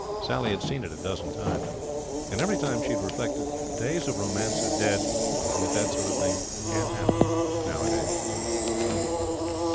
Sally had seen it a dozen times. And every time she had reflected that the days of romance are dead, and that that sort of thing can't happen nowadays.